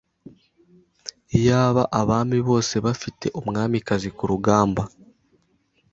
iyaba abami bose bafite umwamikazi kurugamba